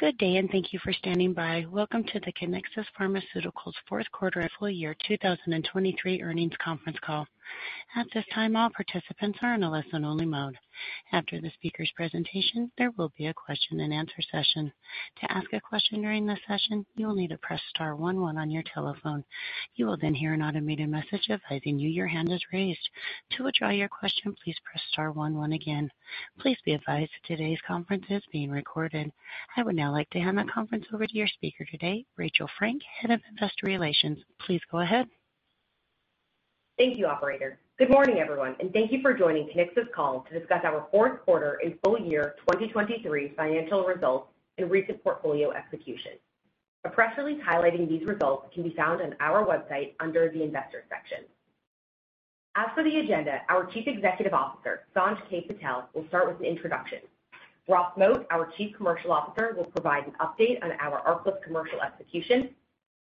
Good day, and thank you for standing by. Welcome to the Kiniksa Pharmaceuticals fourth quarter and full year 2023 earnings conference call. At this time, all participants are in a listen-only mode. After the speaker's presentation, there will be a question-and-answer session. To ask a question during this session, you will need to press star one one on your telephone. You will then hear an automated message advising you your hand is raised. To withdraw your question, please press star one one again. Please be advised today's conference is being recorded. I would now like to hand the conference over to your speaker today, Rachel Frank, Head of Investor Relations. Please go ahead. Thank you, operator. Good morning, everyone, and thank you for joining Kiniksa's call to discuss our fourth quarter and full year 2023 financial results and recent portfolio execution. A press release highlighting these results can be found on our website under the investor section. As for the agenda, our Chief Executive Officer, Sanj K. Patel, will start with an introduction. Ross Moat, our Chief Commercial Officer, will provide an update on our ARCALYST commercial execution.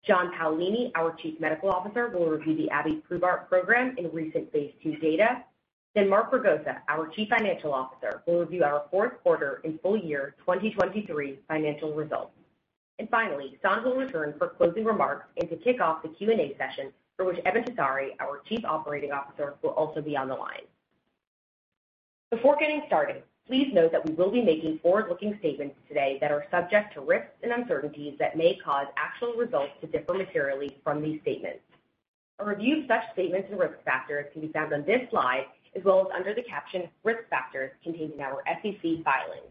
John Paolini, our Chief Medical Officer, will review the abiprubart program in recent phase 2 data. Then Mark Ragosa, our Chief Financial Officer, will review our fourth quarter and full year 2023 financial results. And finally, Sanj will return for closing remarks and to kick off the Q&A session, for which Eben Tessari, our Chief Operating Officer, will also be on the line. Before getting started, please note that we will be making forward-looking statements today that are subject to risks and uncertainties that may cause actual results to differ materially from these statements. A review of such statements and risk factors can be found on this slide, as well as under the caption Risk Factors contained in our SEC filings.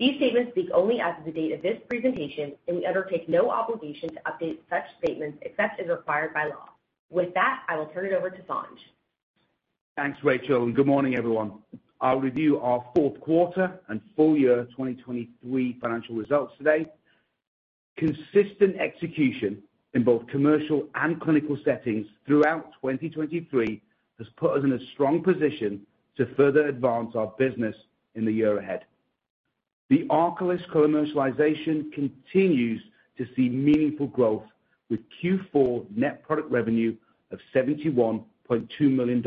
These statements speak only as of the date of this presentation, and we undertake no obligation to update such statements, except as required by law. With that, I will turn it over to Sanj. Thanks, Rachel, and good morning, everyone. I'll review our fourth quarter and full year 2023 financial results today. Consistent execution in both commercial and clinical settings throughout 2023 has put us in a strong position to further advance our business in the year ahead. The ARCALYST co-commercialization continues to see meaningful growth, with Q4 net product revenue of $71.2 million,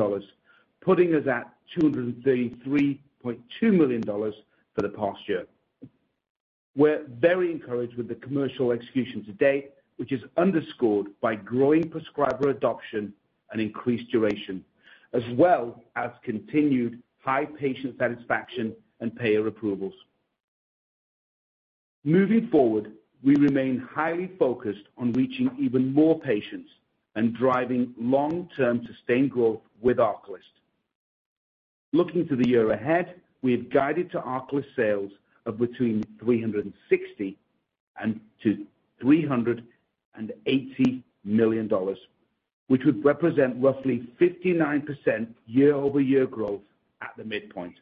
putting us at $233.2 million for the past year. We're very encouraged with the commercial execution to date, which is underscored by growing prescriber adoption and increased duration, as well as continued high patient satisfaction and payer approvals. Moving forward, we remain highly focused on reaching even more patients and driving long-term sustained growth with ARCALYST. Looking to the year ahead, we have guided to ARCALYST sales of between $360 million and $380 million, which would represent roughly 59% year-over-year growth at the midpoint.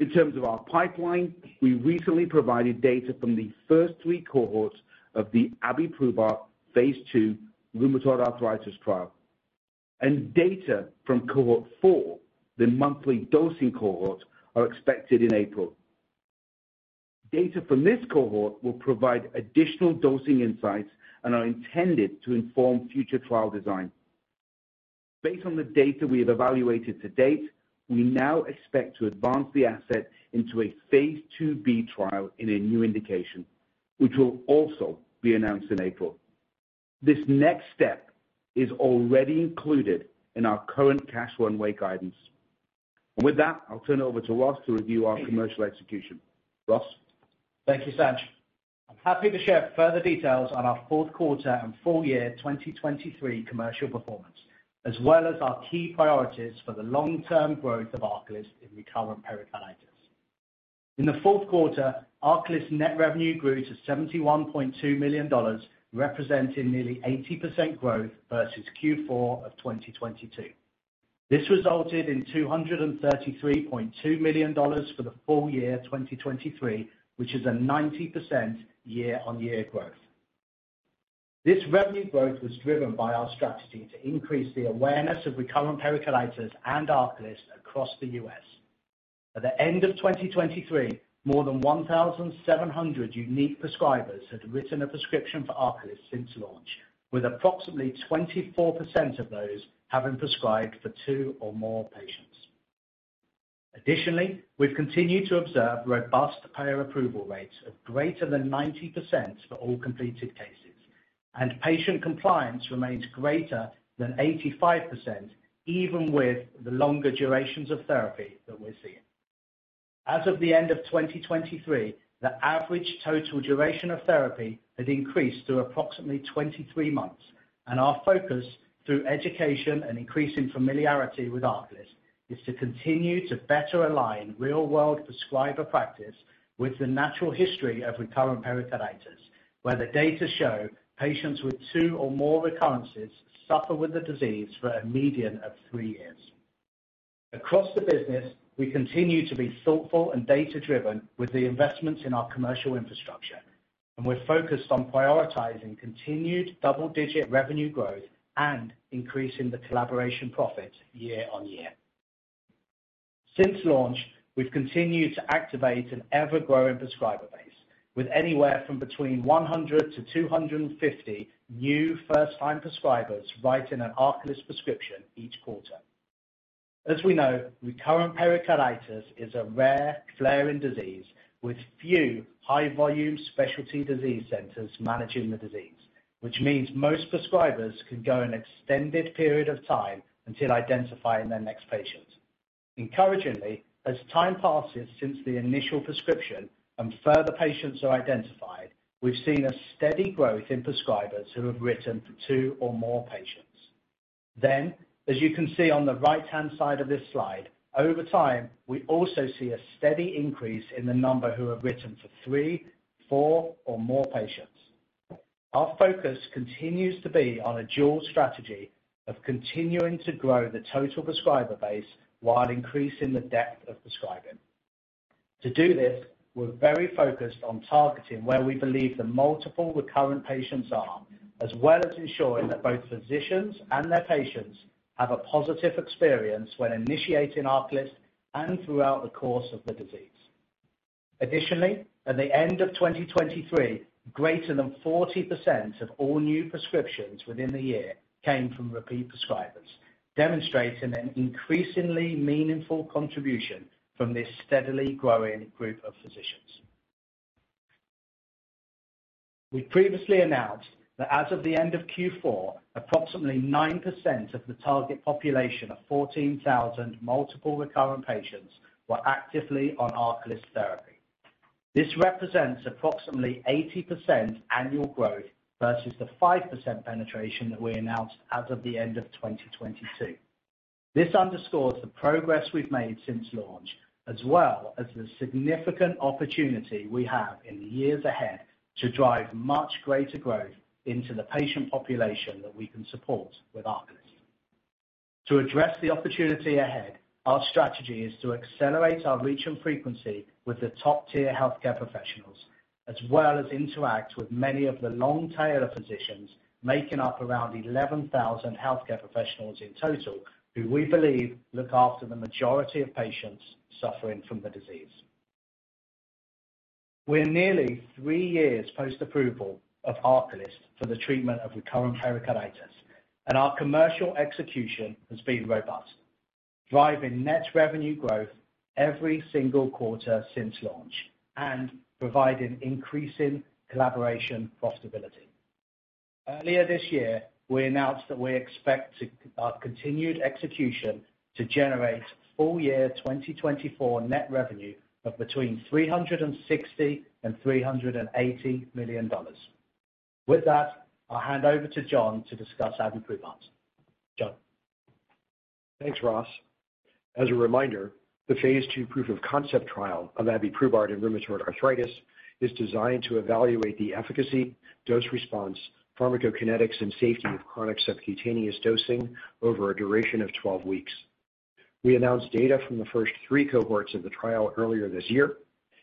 In terms of our pipeline, we recently provided data from the first 3 cohorts of the abiprubart phase 2 rheumatoid arthritis trial, and data from cohort 4, the monthly dosing cohort, are expected in April. Data from this cohort will provide additional dosing insights and are intended to inform future trial design. Based on the data we have evaluated to date, we now expect to advance the asset into a phase 2b trial in a new indication, which will also be announced in April. This next step is already included in our current cash runway guidance. With that, I'll turn it over to Ross to review our commercial execution. Ross? Thank you, Sanj. I'm happy to share further details on our fourth quarter and full year 2023 commercial performance, as well as our key priorities for the long-term growth of ARCALYST in recurrent pericarditis. In the fourth quarter, ARCALYST's net revenue grew to $71.2 million, representing nearly 80% growth versus Q4 of 2022. This resulted in $233.2 million for the full year 2023, which is a 90% year-on-year growth. This revenue growth was driven by our strategy to increase the awareness of recurrent pericarditis and ARCALYST across the U.S. At the end of 2023, more than 1,700 unique prescribers had written a prescription for ARCALYST since launch, with approximately 24% of those having prescribed for two or more patients. Additionally, we've continued to observe robust payer approval rates of greater than 90% for all completed cases, and patient compliance remains greater than 85%, even with the longer durations of therapy that we're seeing. As of the end of 2023, the average total duration of therapy had increased to approximately 23 months, and our focus through education and increasing familiarity with ARCALYST is to continue to better align real-world prescriber practice with the natural history of recurrent pericarditis, where the data show patients with two or more recurrences suffer with the disease for a median of three years. Across the business, we continue to be thoughtful and data-driven with the investments in our commercial infrastructure, and we're focused on prioritizing continued double-digit revenue growth and increasing the collaboration profit year on year. Since launch, we've continued to activate an ever-growing prescriber base with anywhere from between 100 to 250 new first-time prescribers writing an ARCALYST prescription each quarter. As we know, recurrent pericarditis is a rare flaring disease with few high-volume specialty disease centers managing the disease, which means most prescribers can go an extended period of time until identifying their next patient. Encouragingly, as time passes since the initial prescription and further patients are identified, we've seen a steady growth in prescribers who have written for 2 or more patients. Then, as you can see on the right-hand side of this slide, over time, we also see a steady increase in the number who have written for 3, 4, or more patients. Our focus continues to be on a dual strategy of continuing to grow the total prescriber base while increasing the depth of prescribing. To do this, we're very focused on targeting where we believe the multiple recurrent patients are, as well as ensuring that both physicians and their patients have a positive experience when initiating ARCALYST and throughout the course of the disease. Additionally, at the end of 2023, greater than 40% of all new prescriptions within the year came from repeat prescribers, demonstrating an increasingly meaningful contribution from this steadily growing group of physicians. We previously announced that as of the end of Q4, approximately 9% of the target population of 14,000 multiple recurrent patients were actively on ARCALYST therapy. This represents approximately 80% annual growth versus the 5% penetration that we announced out of the end of 2022. This underscores the progress we've made since launch, as well as the significant opportunity we have in the years ahead to drive much greater growth into the patient population that we can support with ARCALYST. To address the opportunity ahead, our strategy is to accelerate our reach and frequency with the top-tier healthcare professionals, as well as interact with many of the long tail of physicians, making up around 11,000 healthcare professionals in total, who we believe look after the majority of patients suffering from the disease. We're nearly three years post-approval of ARCALYST for the treatment of recurrent pericarditis, and our commercial execution has been robust, driving net revenue growth every single quarter since launch and providing increasing collaboration profitability. Earlier this year, we announced that we expect our continued execution to generate full year 2024 net revenue of between $360 million and $380 million. With that, I'll hand over to John to discuss abiprubart. John? Thanks, Ross. As a reminder, the phase 2 proof of concept trial of abiprubart in rheumatoid arthritis is designed to evaluate the efficacy, dose response, pharmacokinetics, and safety of chronic subcutaneous dosing over a duration of 12 weeks. We announced data from the first 3 cohorts of the trial earlier this year,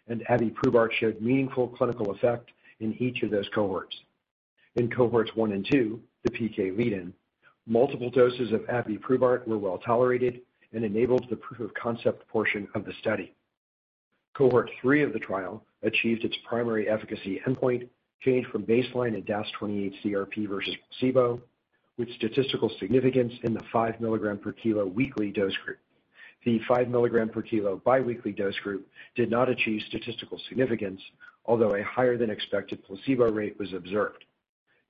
and abiprubart showed meaningful clinical effect in each of those cohorts. In cohorts 1 and 2, the PK lead-in, multiple doses of abiprubart were well tolerated and enabled the proof of concept portion of the study. Cohort 3 of the trial achieved its primary efficacy endpoint, changed from baseline to DAS28-CRP versus placebo, with statistical significance in the 5 mg per kilo weekly dose group. The 5 mg per kilo biweekly dose group did not achieve statistical significance, although a higher than expected placebo rate was observed.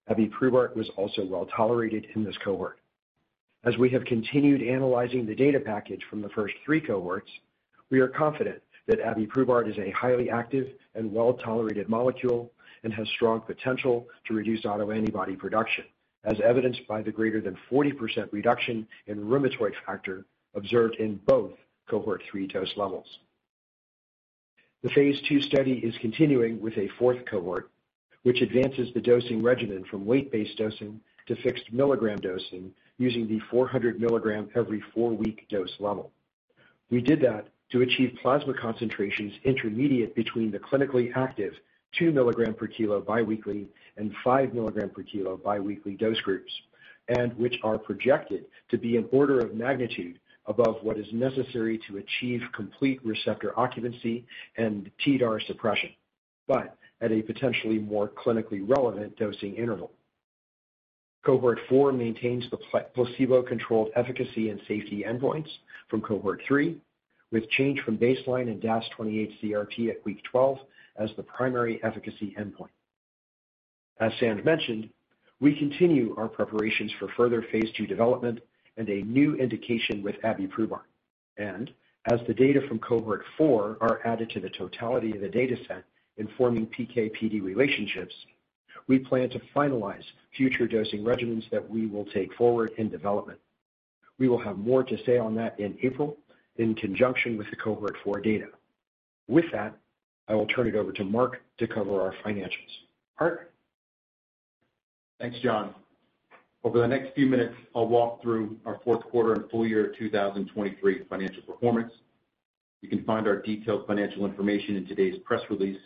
Abiprubart was also well tolerated in this cohort. As we have continued analyzing the data package from the first three cohorts, we are confident that abiprubart is a highly active and well-tolerated molecule and has strong potential to reduce autoantibody production, as evidenced by the greater than 40% reduction in rheumatoid factor observed in both cohort three dose levels. The phase 2 study is continuing with a fourth cohort, which advances the dosing regimen from weight-based dosing to fixed mg dosing using the 400 mg every 4-week dose level. We did that to achieve plasma concentrations intermediate between the clinically active 2 mg per kg biweekly and 5 mg per kg biweekly dose groups, and which are projected to be an order of magnitude above what is necessary to achieve complete receptor occupancy and TDAR suppression, but at a potentially more clinically relevant dosing interval. Cohort 4 maintains the placebo-controlled efficacy and safety endpoints from cohort 3, with change from baseline in DAS28-CRP at week 12 as the primary efficacy endpoint. As Sanj mentioned, we continue our preparations for further phase 2 development and a new indication with abiprubart. As the data from cohort 4 are added to the totality of the dataset informing PK/PD relationships, we plan to finalize future dosing regimens that we will take forward in development. We will have more to say on that in April, in conjunction with the cohort 4 data. With that, I will turn it over to Mark to cover our financials. Mark? Thanks, John. Over the next few minutes, I'll walk through our fourth quarter and full year 2023 financial performance. You can find our detailed financial information in today's press release,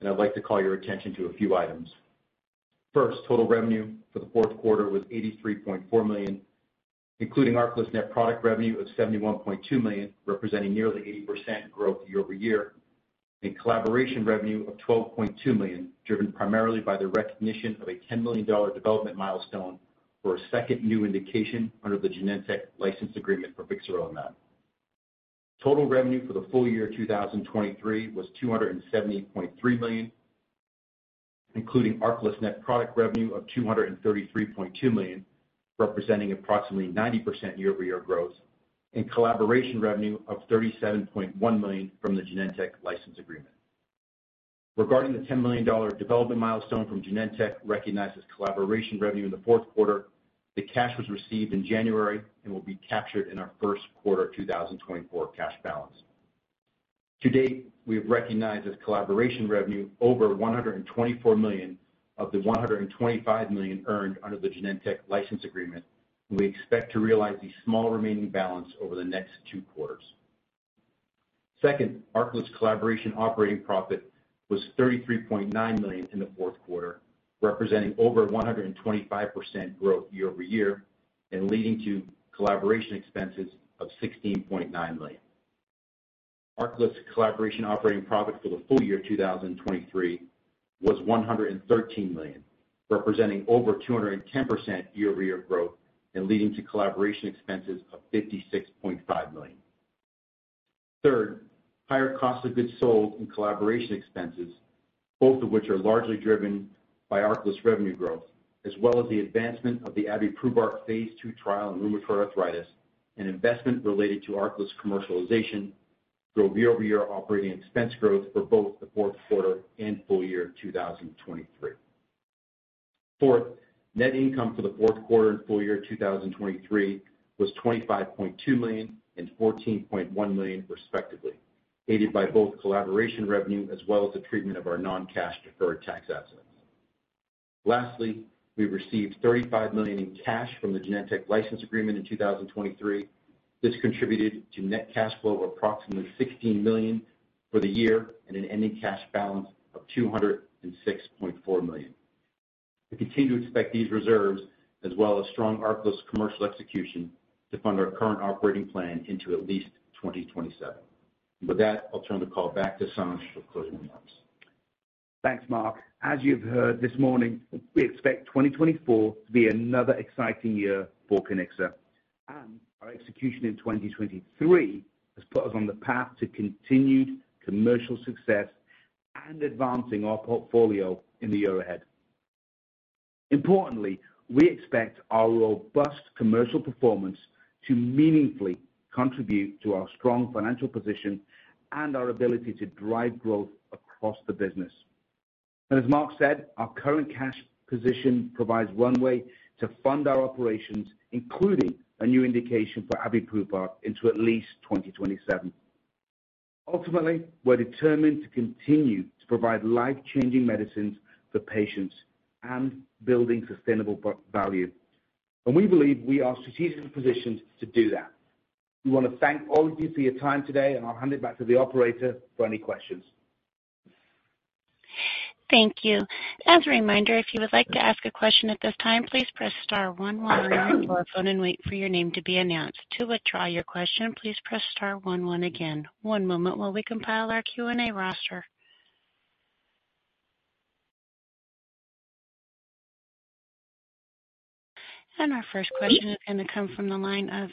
and I'd like to call your attention to a few items. First, total revenue for the fourth quarter was $83.4 million, including ARCALYST net product revenue of $71.2 million, representing nearly 80% growth year-over-year, and collaboration revenue of $12.2 million, driven primarily by the recognition of a $10 million development milestone for a second new indication under the Genentech license agreement for vixarelimab. Total revenue for the full year 2023 was $270.3 million, including ARCALYST net product revenue of $233.2 million, representing approximately 90% year-over-year growth, and collaboration revenue of $37.1 million from the Genentech license agreement. Regarding the $10 million development milestone from Genentech, recognized as collaboration revenue in the fourth quarter, the cash was received in January and will be captured in our first quarter 2024 cash balance. To date, we have recognized as collaboration revenue over $124 million of the $125 million earned under the Genentech license agreement, and we expect to realize the small remaining balance over the next two quarters. Second, ARCALYST collaboration operating profit was $33.9 million in the fourth quarter, representing over 125% growth year-over-year, and leading to collaboration expenses of $16.9 million. ARCALYST collaboration operating profit for the full year 2023 was $113 million, representing over 210% year-over-year growth and leading to collaboration expenses of $56.5 million. Third, higher cost of goods sold and collaboration expenses, both of which are largely driven by ARCALYST revenue growth, as well as the advancement of the abiprubart phase 2 trial in rheumatoid arthritis and investment related to ARCALYST commercialization, drove year-over-year operating expense growth for both the fourth quarter and full year 2023. Fourth, net income for the fourth quarter and full year 2023 was $25.2 million and $14.1 million, respectively, aided by both collaboration revenue as well as the treatment of our non-cash deferred tax assets. Lastly, we received $35 million in cash from the Genentech license agreement in 2023. This contributed to net cash flow of approximately $16 million for the year and an ending cash balance of $206.4 million. We continue to expect these reserves, as well as strong ARCALYST commercial execution, to fund our current operating plan into at least 2027. And with that, I'll turn the call back to Sanj for closing remarks. Thanks, Mark. As you've heard this morning, we expect 2024 to be another exciting year for Kiniksa. Our execution in 2023 has put us on the path to continued commercial success and advancing our portfolio in the year ahead. Importantly, we expect our robust commercial performance to meaningfully contribute to our strong financial position and our ability to drive growth across the business. As Mark said, our current cash position provides runway to fund our operations, including a new indication for abiprubart into at least 2027. Ultimately, we're determined to continue to provide life-changing medicines for patients and building sustainable value, and we believe we are strategically positioned to do that. We want to thank all of you for your time today, and I'll hand it back to the operator for any questions. Thank you. As a reminder, if you would like to ask a question at this time, please press star one one on your phone and wait for your name to be announced. To withdraw your question, please press star one one again. One moment while we compile our Q&A roster. Our first question is going to come from the line of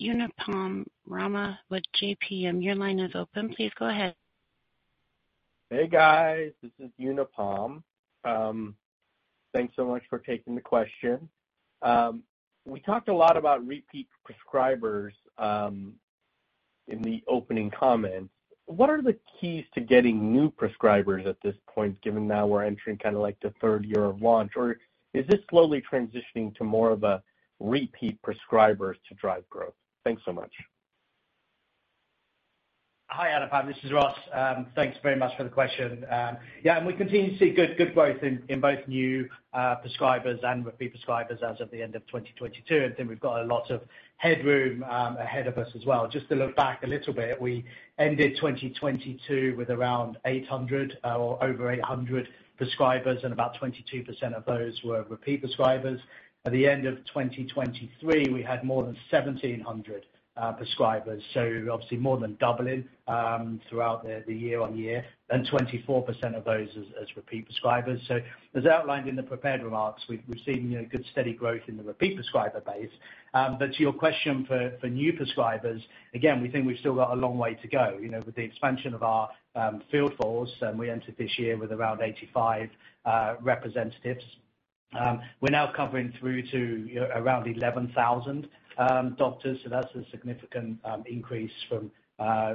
Anupam Rama with JPM. Your line is open. Please go ahead. Hey, guys, this is Anupam. Thanks so much for taking the question. We talked a lot about repeat prescribers in the opening comments. What are the keys to getting new prescribers at this point, given now we're entering kind of like the third year of launch? Or is this slowly transitioning to more of a repeat prescribers to drive growth? Thanks so much. Hi, Anupam, this is Ross. Thanks very much for the question. Yeah, and we continue to see good, good growth in both new prescribers and repeat prescribers as of the end of 2022, and think we've got a lot of headroom ahead of us as well. Just to look back a little bit, we ended 2022 with around 800 or over 800 prescribers, and about 22% of those were repeat prescribers. At the end of 2023, we had more than 1,700 prescribers. So obviously more than doubling throughout the year-on-year, and 24% of those as repeat prescribers. So as outlined in the prepared remarks, we've seen, you know, good, steady growth in the repeat prescriber base. But to your question for new prescribers, again, we think we've still got a long way to go. You know, with the expansion of our field force, we entered this year with around 85 representatives. We're now covering through to, you know, around 11,000 doctors. So that's a significant increase from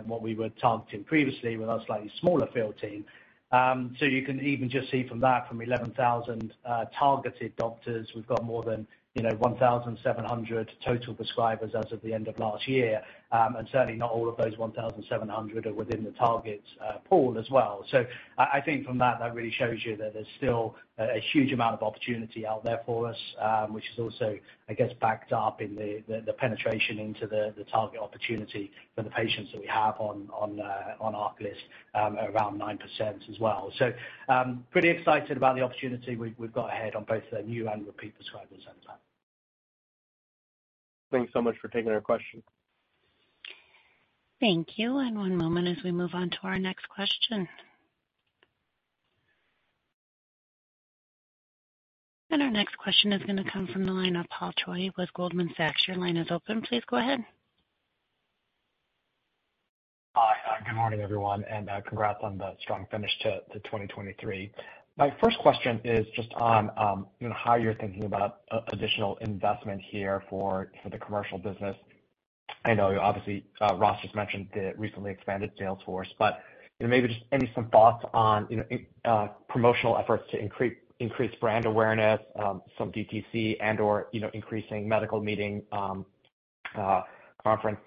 what we were targeting previously with our slightly smaller field team. So you can even just see from that, from 11,000 targeted doctors, we've got more than, you know, 1,700 total prescribers as of the end of last year. And certainly not all of those 1,700 are within the targets pool as well. So I think from that that really shows you that there's still a huge amount of opportunity out there for us, which is also, I guess, backed up in the penetration into the target opportunity for the patients that we have on ARCALYST, around 9% as well. So, pretty excited about the opportunity we've got ahead on both the new and repeat prescribers end.... Thanks so much for taking our question. Thank you, and one moment as we move on to our next question. Our next question is going to come from the line of Paul Choi with Goldman Sachs. Your line is open. Please go ahead. Hi, good morning, everyone, and congrats on the strong finish to 2023. My first question is just on, you know, how you're thinking about additional investment here for the commercial business. I know, obviously, Ross just mentioned the recently expanded sales force, but, you know, maybe some thoughts on, you know, promotional efforts to increase brand awareness, some DTC and or, you know, increasing medical meeting conference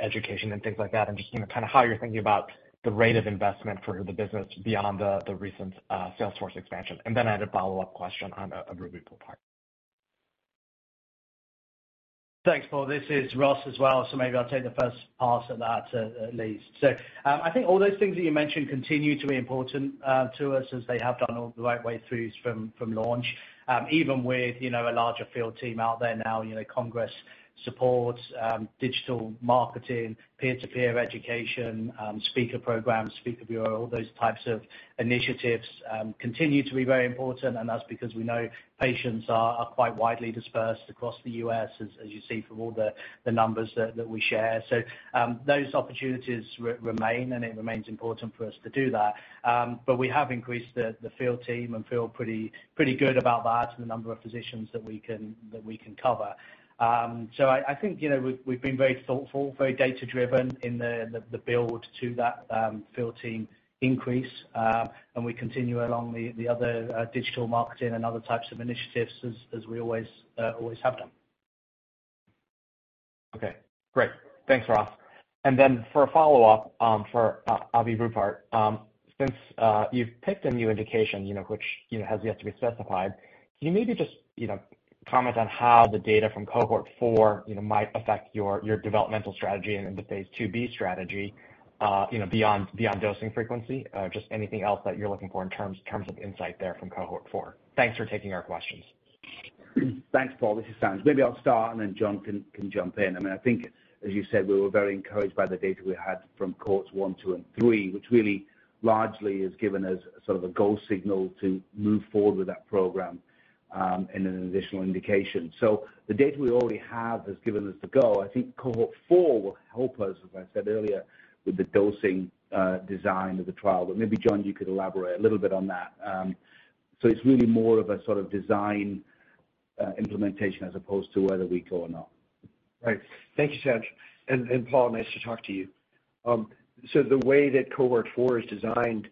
education and things like that. And just, you know, kind of how you're thinking about the rate of investment for the business beyond the recent sales force expansion. And then I had a follow-up question on abiprubart. Thanks, Paul. This is Ross as well, so maybe I'll take the first pass at that, at least. So, I think all those things that you mentioned continue to be important, to us, as they have done all the right way through from launch. Even with, you know, a larger field team out there now, you know, congress supports, digital marketing, peer-to-peer education, speaker programs, speaker bureau, all those types of initiatives, continue to be very important, and that's because we know patients are quite widely dispersed across the U.S., as you see from all the numbers that we share. So, those opportunities remain, and it remains important for us to do that. But we have increased the field team and feel pretty good about that and the number of physicians that we can cover. So I think, you know, we've been very thoughtful, very data-driven in the build to that field team increase, and we continue along the other digital marketing and other types of initiatives as we always have done. Okay, great. Thanks, Ross. And then for a follow-up, for abiprubart, since you've picked a new indication, you know, which, you know, has yet to be specified, can you maybe just, you know, comment on how the data from cohort 4, you know, might affect your developmental strategy and the phase 2b strategy, you know, beyond dosing frequency? Just anything else that you're looking for in terms of insight there from cohort 4. Thanks for taking our questions. Thanks, Paul. This is Sanj. Maybe I'll start, and then John can jump in. I mean, I think, as you said, we were very encouraged by the data we had from cohorts 1, 2, and 3, which really largely has given us sort of a go signal to move forward with that program in an additional indication. So the data we already have has given us the go. I think cohort 4 will help us, as I said earlier, with the dosing design of the trial. But maybe, John, you could elaborate a little bit on that. So it's really more of a sort of design implementation as opposed to whether we go or not. Right. Thank you, Sanj. And Paul, nice to talk to you. So the way that cohort four is designed,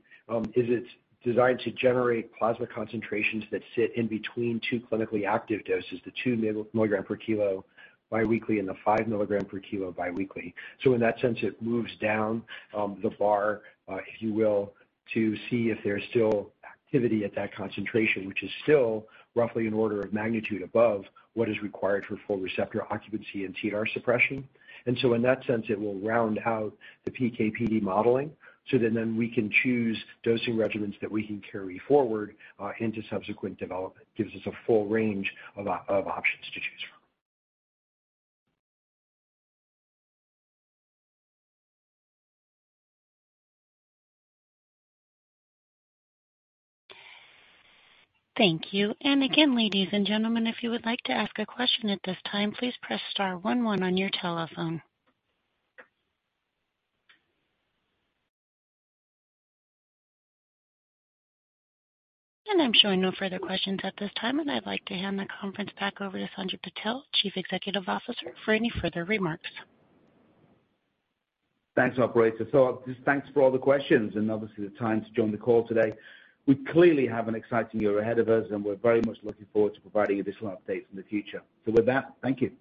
is it's designed to generate plasma concentrations that sit in between two clinically active doses, the 2 mg per kilo biweekly and the 5 mg per kilo biweekly. So in that sense, it moves down the bar, if you will, to see if there's still activity at that concentration, which is still roughly an order of magnitude above what is required for full receptor occupancy and TR suppression. And so in that sense, it will round out the PK/PD modeling so that then we can choose dosing regimens that we can carry forward into subsequent development. Gives us a full range of options to choose from. Thank you. And again, ladies and gentlemen, if you would like to ask a question at this time, please press star one one on your telephone. And I'm showing no further questions at this time, and I'd like to hand the conference back over to Sanj K. Patel, Chief Executive Officer, for any further remarks. Thanks, operator. So just thanks for all the questions and obviously the time to join the call today. We clearly have an exciting year ahead of us, and we're very much looking forward to providing additional updates in the future. So with that, thank you.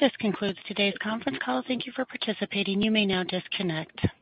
This concludes today's conference call. Thank you for participating. You may now disconnect.